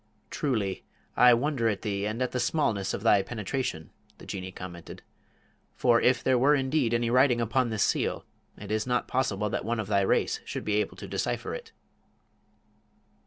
"Truly, I wonder at thee and at the smallness of thy penetration," the Jinnee commented; "for if there were indeed any writing upon this seal, it is not possible that one of thy race should be able to decipher it."